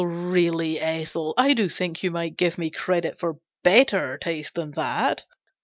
really, Ethel, I do think you might give me credit for better taste than that !